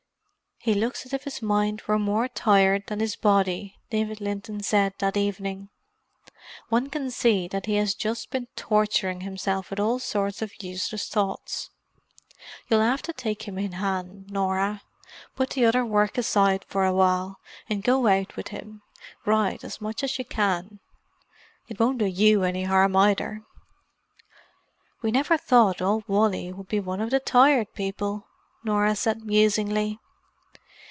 "He looks as if his mind were more tired than his body," David Linton said that evening. "One can see that he has just been torturing himself with all sorts of useless thoughts. You'll have to take him in hand, Norah. Put the other work aside for a while and go out with him—ride as much as you can. It won't do you any harm, either." "We never thought old Wally would be one of the Tired People," Norah said musingly.